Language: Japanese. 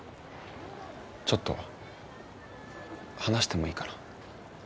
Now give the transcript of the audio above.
ちょっと話してもいいかな？